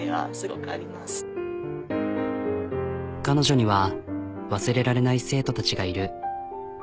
彼女には忘れられない生徒たちがいる。